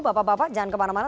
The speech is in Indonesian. bapak bapak jangan kemana mana